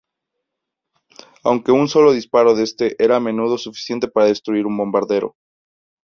Aunque un solo disparo de este era a menudo suficiente para destruir un bombardero.